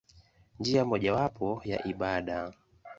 Njia mojawapo ya ibada.